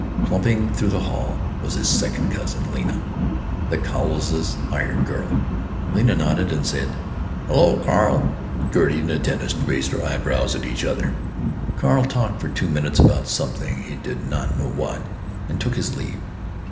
Clumping through the hall was his second cousin, Lena, the Cowleses' "hired girl." Lena nodded and said, "Hallo, Carl!" Gertie and the dentist raised their eyebrows at each other. Carl talked for two minutes about something, he did not know what, and took his leave.